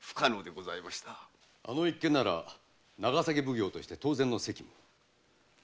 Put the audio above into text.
あの一件なら長崎奉行として当然の責務です。